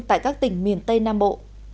tại các tỉnh miền tây nam bộ